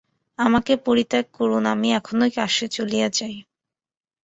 আমাকে পরিত্যাগ করুন, আমি এখনি কাশী চলিয়া যাই।